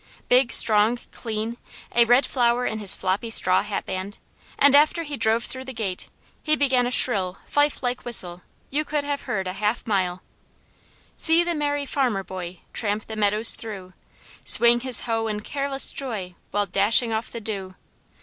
Big, strong, clean, a red flower in his floppy straw hat band; and after he drove through the gate, he began a shrill, fifelike whistle you could have heard a half mile: "See the merry farmer boy, tramp the meadows through, Swing his hoe in careless joy, while dashing off the dew.